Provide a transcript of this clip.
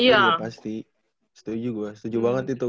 iya pasti setuju gue setuju banget itu